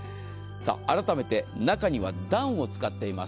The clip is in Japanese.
あらためて中にはダウンを使っています。